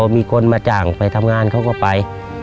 มีคนมาจ่างไปทำงานเขาก็ไป